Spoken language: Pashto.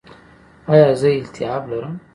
ایا زه التهاب لرم؟